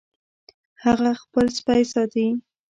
هغه خپل سپی ساتي